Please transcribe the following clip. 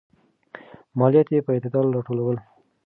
ماليات يې په اعتدال راټولول.